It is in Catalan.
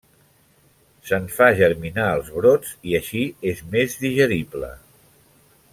Se'n fa germinar els brots i així és més digerible.